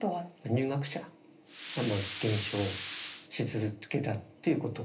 入学者が減少し続けたっていうこと。